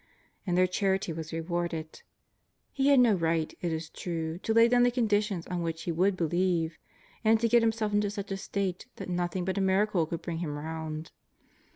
And their charity was rewarded. He had no right, it is true, to lay down the conditions on which he would believe, and to get liimself into such a state that nothing but a miracle could bring him round.